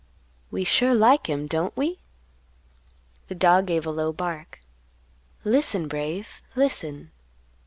"We sure like him, don't we?" The dog gave a low bark. "Listen, Brave, listen."